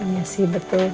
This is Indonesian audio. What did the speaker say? iya sih betul